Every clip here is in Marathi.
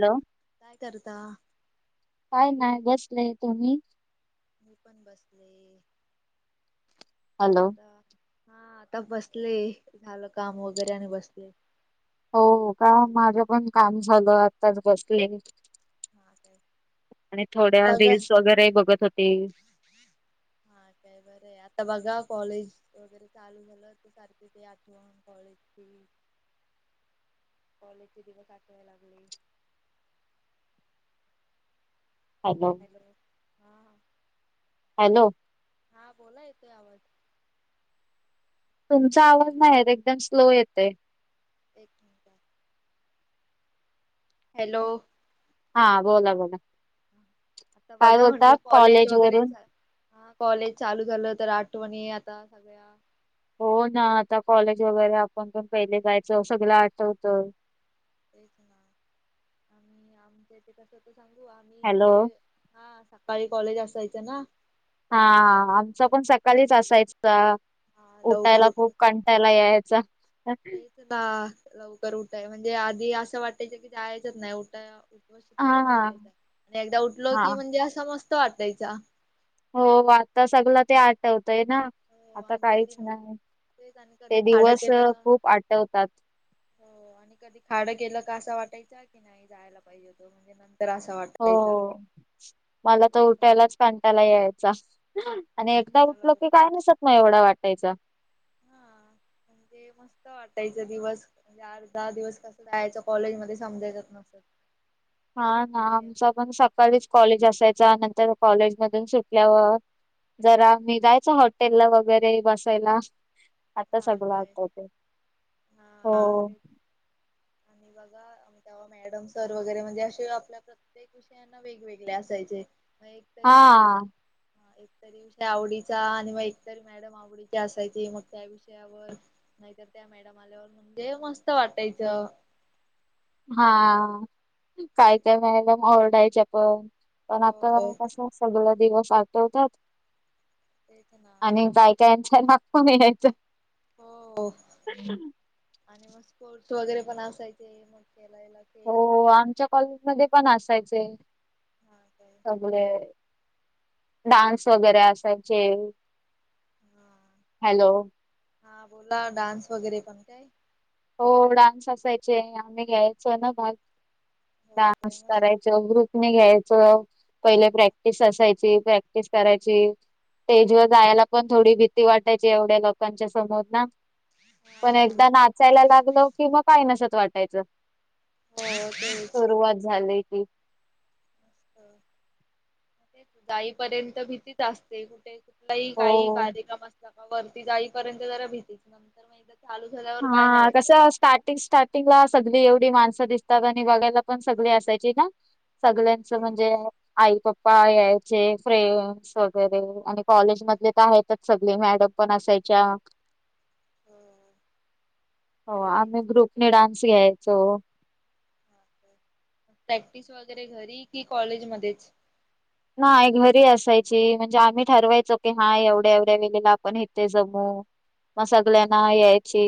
हॅलो, काय करता काय नाही बसलेय. तुम्ही? मी पण बसले हॅलो आता. हा आता बसले झालं काम वगैरे आणि बसले. हो का माझं पण काम झालं आत्ताच बसले. हा काय आणि आता थोड्या बघा रील्स वगैरे बघत होती. मग आणि काय बर हाय? आता बघा. कॉलेज वगैरे चालू झालं. तर सारखे ते आठवण कॉलेजची. कॉलेजचे दिवस आठवाय लागले. हॅलो. हा, हॅलो हा बोला येतोय आवाज. तुमचा आवाज हॅलो नाही येत. एकदम स्लो येतोय. एक मिनिट हॅलो. हा बोला-बोला. आता बघा म्हंटलं. कॉलेज वगैरे चालू होणार. कॉलेज चालू झालं तर आठवण मी आता सगळ्या. हो ना आता कॉलेज वगैरे आपण पण पहिले जायचो, सगळ आठवत. तेच ना आम्ही आमच्या इथे कस. सांगू आम्ही हॅलो म्हणजे. हा सकाळी कॉलेज असायचं ना. हा आमचा पण सकाळीच असायचा. हा लवकर उठायला उठून खूप कंटाला यायचा. तेच ना लवकर उठाय म्हणजे आधी असं वाटायचं की जायचच नाही उठाव उत्साह नव्हता हा वाटायचा. आणि एकदा उठलो हा की म्हणजे असा मस्त वाटायचा. हो आता सगळ ते आठवतय ना. हो आता आणि कधी काहीच मग नाही, तेच आणि कधी ते खाडं दिवस केलं खूप आठवतात. हो आणि कधी खाडं केलं का असं वाटायचा. की नाही जायला पाहिजे होत हो मला तर तेच ना उठायलाच कंटाला यायचा. आणि तेच एकदा ना उठलो लव की. काय नसत नाही एवढा वाटायचा. हा म्हणजे. मस्त वाटायच. दिवस म्हणजे आठ-दहा दिवस कसं जायचं कॉलेज मध्ये समजायचं नसत. [inaudible] हा ना आमचा पण सकाळीच कॉलेज असायच जा नंतर कॉलेज मधून सुटल्यावर [inaudible] [inaudible] जरा मी जायचो हॉटेलला वगैरे बसायला, [inaudible] [inaudible] आता हा सगळं काय आठवतय, [inaudible] हो हा हो. तेच [inaudible] आणि बघा तेव मॅडम सर वगैरे म्हणजे असे आपल्या प्रत्येक विषयांना वेगवेगळे असायचे, [inaudible] मग एकतरी हा विषयाचा [inaudible] [inaudible] एकतरी विषय आवडीचा आणि मग एकतरी मॅडम आवडीची असायची मग त्या विषयी, वर नाहीतर त्या मॅडम आल्यावर, ते मस्त वाटायचं, [inaudible] [inaudible] हा [inaudible] काय काय मॅडम, आवडायच्या पण, [inaudible] पण आता हो कस सगळे दिवस आठवतात. [inaudible] तेच ना [inaudible] आणि काय कायच्या [unintelligible] यायचं, हो. [inaudible] - [unintelligible] आणि मग स्पोर्ट्स वगैरे पण असायचे मग खेलायला [inaudible] हो खेळ आमच्या कॉलेज मध्ये पण असायचे, हा काय [inaudible] सगळे, [inaudible] [inaudible] डान्स वगैरे असायचे, [inaudible] हा [inaudible] हॅलो, [inaudible] हा बोला डान्स वगैरे पण काय, [inaudible] [inaudible] हो डान्स असायचे, आम्ही घ्यायचो ना भाग [inaudible] [inaudible] हो काय डान्स मस्त करायच ग्रुपी ने घ्याय, चो [inaudible] पहिले प्रॅक्टिस असायची, प्रॅक्टिस करायची. [inaudible] स्टेजवर जायला पण थोडी भीती वाटायची एवढ्या लोकांच्या समोर ना [inaudible] [inaudible] पण हा एकदा ना नाचायला लागलो कि मग काय नसत वाटायच, हो [inaudible] तेच सुरवात झाली. हम्म. जाईपर्यंत भीतीच असते कुठे कुठलाही काही हो. कार्यक्रम असला ना. वरती जाईपर्यंत जरा भीतीच नंतर मग एका हा कसं स्टार्टिंग-स्टार्टिंग ला सगळी येऊन. माणसं दिसतात आणि बघायला पण सगळी असायची ना सगळ्यांचं ते म्हणजे आईप्पा यायचे फ्रेंड्स वगैरे आणि कॉलेज मधले तर आहेतच सगळे मॅडम पण असायच्या हम हो आम्ही ग्रुपने डान्स घ्यायचो प्रॅक्टिस वगैरे घरी कि कॉलेज मध्येच नाही घरी असायची म्हणजे आम्ही ठरवायचो की हा एवढ्या एवढ्या वेळेला आपण इथे जमू मग सगळ्यांना यायची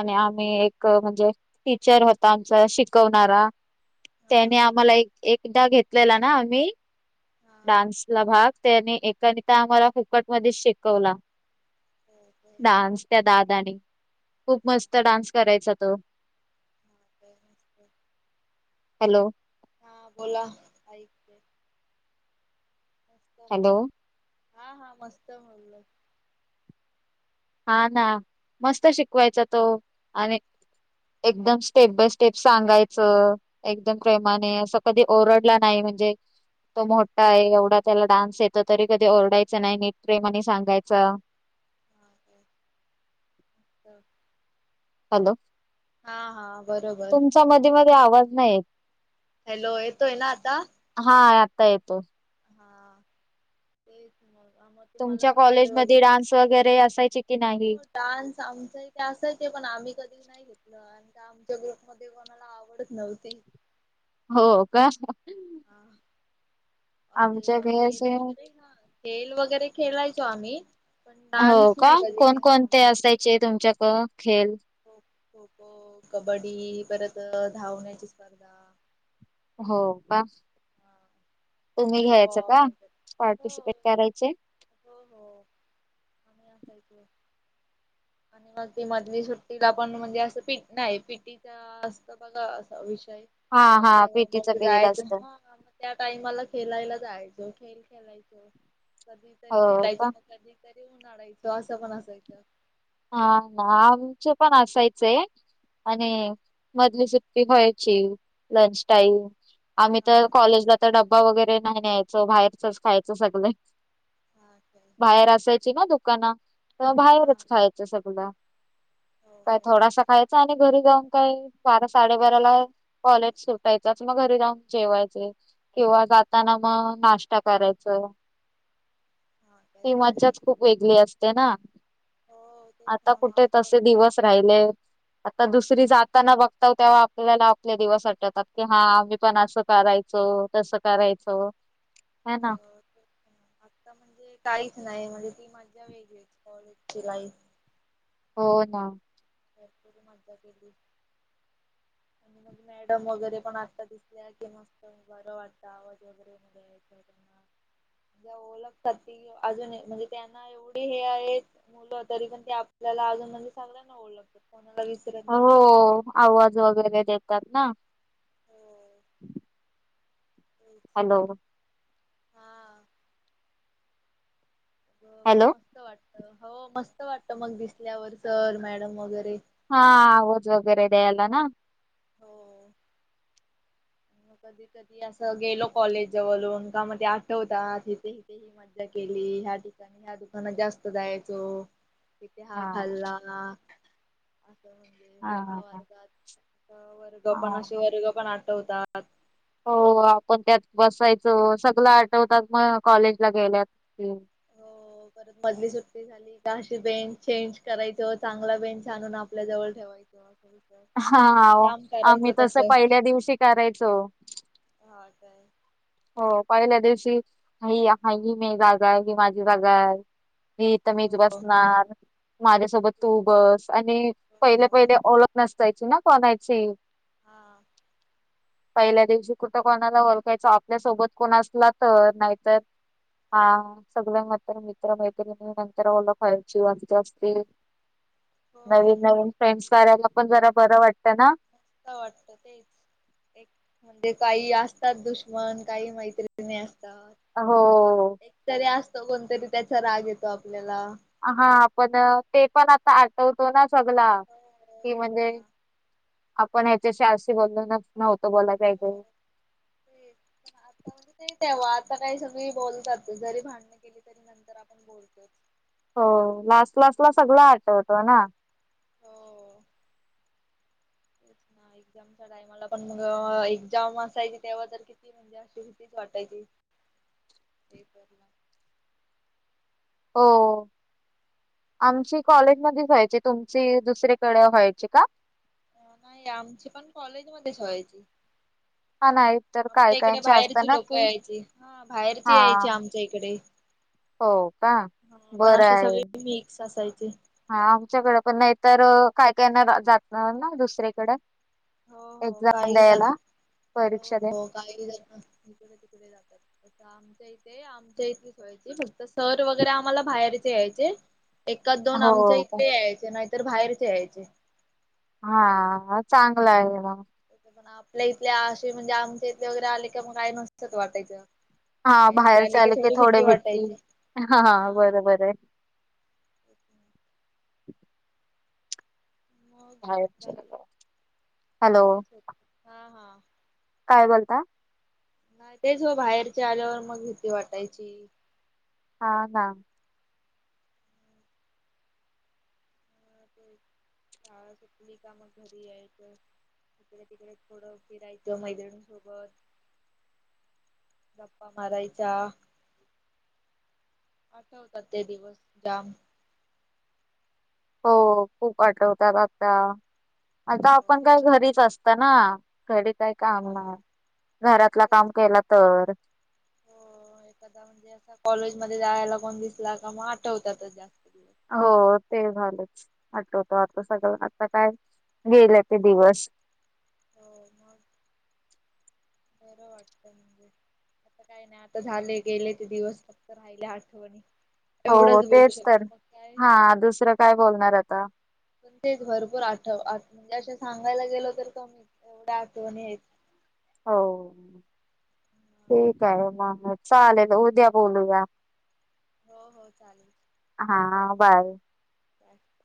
आणि आम्ही एक म्हणजे टीचर होता आमचा शिकवणारा हा त्याने आम्हाला एक एकदा घेतलेला ना आम्ही हा डान्सला भाग त्याने एकनेिता आम्हाला फुकटमध्येच शिकवला हो काय डानस त्या दादा आणि खूप हा मस्त डान्स करायचा तो हा काय मस्त हॅलो हा बोला ऐक मस्त हॅलो म हा हा मस्त म्हणलं हा ना मस्त शिकवायचा तो आणि एकदम स्टेप बाय स्टेप सांगायचं एकदम प्रेमाने असं कधी ओरडला नाही म्ह म्हणजे तो मोठा आहे एवढा त्याला डान्स येत तरी कधी ओरडायच नाही नीट प्रेम आणि सांगायचा ह हॅलो बरोबर तुमचा मध मध्ये आवाज नाही यत हॅलो ए तो ना आता हा आता येतो हा ते तुमच्या कॉलेजमध्ये डान्स वगैरे अस हो डान्स आमचा इथे असायच पण आम्ही कधी नाही घेतलं आणि आमच्या ग्रुपमध्ये कोणाला आवडत नव्हते हो का हा असे आमच्याकडे खेळ असे वगैरे हा खेळ वगैरे खेलायच स्वामी हो का कोण कोणते असायचे तुमच्याक खेल खो खो कबड्डी परत धावण्याची स्पर्धा हो का तुम्ही घ्यायचं फुटबॉल का वगैरे. हो पार्टिसिपेट करायचे हो हो आ कायच आणि मग ती मधली सुट्टीला पण म्हणजे असं पी नाही पिटीचा असत बघ वि हा हा तेव्हा पीटीचा मग पिरियड जायचं असत ह म त्या टाइमाला खेला जायचो खेळ खेलायचो कधीतरी हो खेलायच का कधीरी आणायचो असं पण असायचं हा ना आमचे पण असायचंय आणि मधली सुट्टी व्यायची लंच टाईम आम्ही तर हा कॉलेजला तर ड्बा वगैरे नाही न्यायचो बाहेरचच खायचं सगळे हा काय बाहेर असायची ना दुकान तर हा बाहेरच खायचं सगळ काय थोडासा खायचा आणि घरी जाऊन काही बारा साडेबाराला कॉलेज सुटायचंच मग घरी जाऊन जेवायचे किंवा जाताना मग नाश्ता करायचं ह ही मज्जत खूप वेगळी असते ना हो तेच आता ना मग कुठे तसे आठवतं दिवस राहिलेत. आता तेच दुसरी ना जाताना बघताव. तेव्हा आपल्याला आपले दिवस आटवतात. की हा आम्ही पण असं करायचो. तसं करायचो. ह हो ना आता म्हणजे. काहीच नाही म्हणजे. ती मजा वेगळीच कॉलेज ची लाईफ. हो ना. भरपूरी मज्जा केली. आणि मग मॅडम वगैरे पण आता दिसल्या की मस्त बर वाटतं. आवाज वगैरे मध्ये हा. त्या ओळखतात. अजून म्हणजे त्यांना एवढे हे आहेत मुलं तरी पण ते आपल्या अजून म्हणजे सगळ्यां ना ओळखतात. कोणाला विसरत हो नाही. आवाज वगैरे देतात ना. हो तेच हॅलो. हा. ब हॅलो मस्त वाटत. हो मस्त वाटत मग दिसल्यावर सर-मॅडम वगैरे. हा आवाज वगैरे द्यायला ना. हो. मग कधी-कधी असं गेलो कॉलेजजवळून. का मग ते आठवतात ईथे-इथे ही मज्जा केली. ह्या ठिकाणी. ह्या दुकानात जास्त जायचो. तिथे हा खाल्ला. हा वर्गात-वर्ग पण हा असे वर्ग पण आठवतात. हो आपण त्यात बसायचं. सगल आठवतात मग कॉलेज ला गेल्या असतील. हो. परत मधली सुट्टी झाली का अशी बेंच चेंज करायचो. चांगला बेंच आणून आपल्या जवळ ठेवायचो. विषय हा आम्ही जाम आम्ही करायचो तस तसं. पहिल्या दिवशी करायचो. हा काय? हो पहिल्या दिवशी. ही हा ही मी जागा आहे, ही माझी जागाय. मी इथं मीच हो बसणार. माझ्यासोबत तू बस आणि पहिले हो पहिले ओळख नसायची ना कोणाची. हा. पहिल्या दिवशी कुठं कोणाला ओळखायचो. आपल्यासोबत कोण असला तर, नाहीतर हा. सगळ्यां मित्र मित्र मैत्रिणी नंतर ओलंख व्हायची [unintelligible] जास्ती. हो नंतर नवीन नवीन फ्रेंड्स करायला पण जरा बरं वाटतं ना? हा वाटत तेच. एक म्हणजे काही असतात दुश्मन, काही मैत्रिणी असं हो. तो कोणतरी त्याचा राग येतो आपल्याला. हा आपण ते पण आता आठवतो ना सगला. हो कि तेच म्हणजे ना आपण ह्याच्याशी आशी बोललो, नव्हतं बोलाय पाहिजे. ते आता म्हणजे ते तेव्हा आता काय सगळी बोलतातच, जरी भांडण केली तरी नंतर आपण बोलतोच. हो. लास्ट लास्ट ला सगळ आठवत ना. हो. [inaudible] ह एक्झामचा टायमाला पण मग एक्झाम असायची तेव्हा तर किती म्हणजे अशी भितीच वाटायची, [unintelligible] [inaudible] हो [inaudible] आमची कॉलेज मध्ये होयची. तुमची दुसरेकडे व्हायची का, [inaudible] [inaudible] नाही आमची पण कॉलेज मध्येच व्हायची, [inaudible] हा नाही तर [inaudible] काय आमच्या इकडे कायचे असत बाहेरची ना लोक की यायची हा बाहेरची हा यायची आमच्या इकडे हो का हा [inaudible] पण बरं अशी आहे. सगळी मिक्स [inaudible] असायची [inaudible] हा आमच्याकडे पण नाहीतर काय काय ना जात ना दुसरीकडें, [inaudible] हो हो काही का [inaudible] हो परीक्षा द्या हो काही ज तिकडे तिकडे जातात. आ आमच्या इथे आमच्या इथेच व्हायची फक्त सर वगैरे आम्हाला बाहेरचे यायचे, [inaudible] एकाच दोन आमच्या हो. इथले यायचे नाहीतर बाहेरचे यायचे, [inaudible] हा हा चांगल आहे. मग, पण आपल्या इथले असे म्हणजे आमच्या इथले वगैरे आले का मग आ नसत वाटायचं, हा बाहेरचे बाहेर आले की थोडी थोडे भीती भेटतील, वाटायची [inaudible] हा हा बरोबर आहे. [inaudible] मग बाहेरचे बाकी हॅलो [inaudible] [unintelligible] हा हा काय बोलता. [inaudible] [inaudible] नाही तेच व बाहेरच्या आल्यावर मग भीती वाटायची, [inaudible] [inaudible] हा का [inaudible] [inaudible] शळा सुटली का मग घरी यायच [inaudible] इकडे तिकडे थोडं फिरायचं मैत्रिणी सोबत, [inaudible] [inaudible] गप्पा मारायच्या, [inaudible] [inaudible] आठवता ते दिवस जाम [inaudible] हो खूप आठवतात आता, [inaudible] आता आपण काय घरीच असत ना. घरी काय काम हा नाही. घरातला तेच. काम केला तर. हो एखादा म्हणजे असं कॉलेजमध्ये. जायला कोण दिसला का मग आठवतात जास्त. दिवस. हो ते झालं. आठवतो आता सगळ आता काय गेल ते दिवस. हो मग बरं वाटत म्हणजे. आता काय नाही. आता झाले गेले ते दिवस फक्त राहिले आठवणी. हो एवढंच बोलू तेच तर शकतो मग काय. हा दुसरं काय बोलणार आता. पण ते भरपूर आठव म्हणजे अ सांगायला गेल तर कमी. एवढ्या आठवणीं आहेत. हो. ठीक आहे. म चालेल उद्या बोलूया. हो हो चालेल. हा हा. बाय. अच [unintelligible]